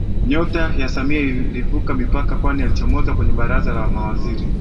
Nyota ya Samia ilivuka mipaka kwani alichomoza kwenye baraza la Mawaziri